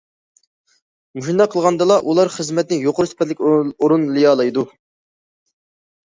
مۇشۇنداق قىلغاندىلا ئۇلار خىزمەتنى يۇقىرى سۈپەتلىك ئورۇنلىيالايدۇ.